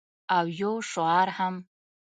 او یو شعار هم